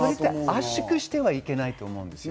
圧縮してはいけないと思うんです。